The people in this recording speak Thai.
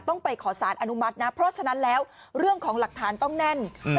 ต้องไปขอสารอนุมัตินะเพราะฉะนั้นแล้วเรื่องของหลักฐานต้องแน่น